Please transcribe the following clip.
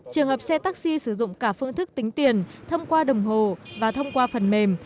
trường hợp xe taxi sử dụng cả phương thức tính tiền thông qua đồng hồ và thông qua phần mềm